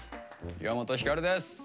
岩本照です。